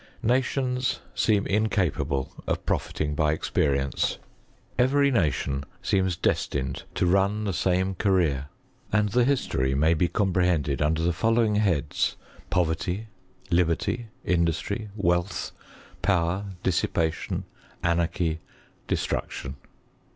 Nations seem incapable of profiting by experience. Every nation seems destined to run the same career. and the history may be comprehended under the following heads : Poverty, liberty, industry, wealth, power, dissipation, anarchy, destruction.